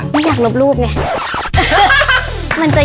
ไม่อยากลบรูปไง